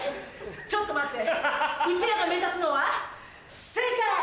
ちょっと待って。